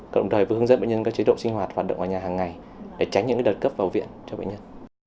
cộng đồng thời vừa hướng dẫn bệnh nhân các chế độ sinh hoạt hoạt động ở nhà hàng ngày để tránh những đợt cấp vào viện cho bệnh nhân